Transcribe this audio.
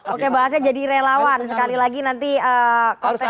oke bahasanya jadi relawan sekali lagi nanti kontestasinya